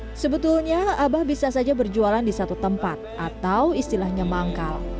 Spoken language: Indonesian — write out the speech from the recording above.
hai sebetulnya abah bisa saja berjualan di satu tempat atau istilahnya manggal